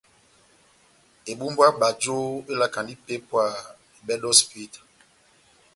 Ebumbu yá bajo elakandi ipépwa mebɛdi o hosipita.